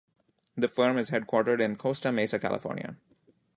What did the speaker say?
The firm is headquartered in Costa Mesa, California.